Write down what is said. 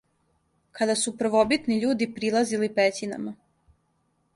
Када су првобитни људи прилазили пећинама